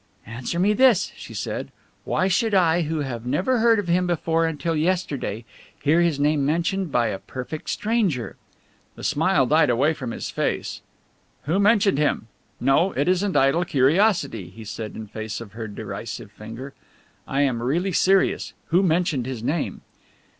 "Answer me this," she said: "why should I who have never heard of him before until yesterday hear his name mentioned by a perfect stranger?" The smile died away from his face. "Who mentioned him! No, it isn't idle curiosity," he said in face of her derisive finger. "I am really serious. Who mentioned his name?"